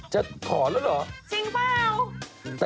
จะขอแล้วเหรอจริงเปล่า